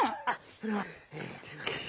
それはすいません。